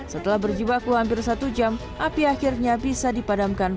setelah berjibaku hampir satu jam api akhirnya bisa dipadamkan